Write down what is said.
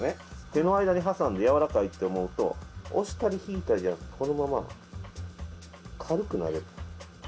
手の間に挟んで軟らかいって思うと押したり引いたりじゃなくこのまま軽くなでる。